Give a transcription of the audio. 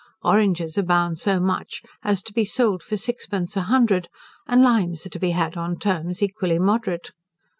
Oranges abound so much, as to be sold for sixpence a hundred; and limes are to be had on terms equally moderate.